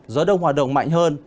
gió đông hoạt động mạnh hơn